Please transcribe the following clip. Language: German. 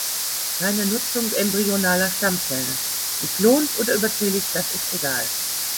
Keine Nutzung embryonaler Stammzellen, geklont oder überzählig, das ist egal.